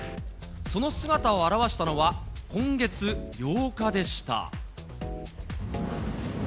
その姿を現したのは、今月８日でした。